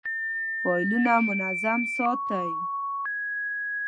فایلونه منظم ساتئ؟